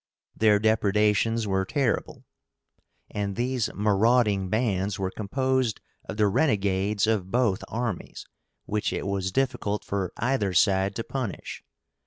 Their depredations were terrible, and these marauding bands were composed of the renegades of both armies, which it was difficult for either side to punish.